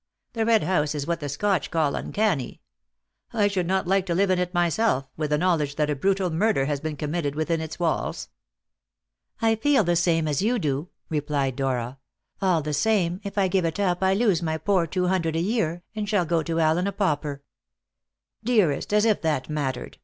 The Red House is what the Scotch call uncanny. I should not like to live in it myself, with the knowledge that a brutal murder had been committed within its walls." "I feel the same as you do," replied Dora. "All the same, if I give it up I lose my poor two hundred a year, and shall go to Allen a pauper." "Dearest, as if that mattered!